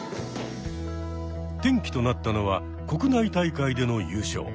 転機となったのは国内大会での優勝。